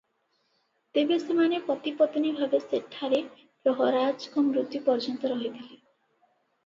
ତେବେ ସେମାନେ ପତି-ପତ୍ନୀ ଭାବେ ସେଠାରେ ପ୍ରହରାଜଙ୍କ ମୃତ୍ୟୁ ପର୍ଯ୍ୟନ୍ତ ରହିଥିଲେ ।